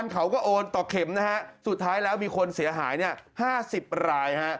เขาก็โอนต่อเข็มนะฮะสุดท้ายแล้วมีคนเสียหาย๕๐ราย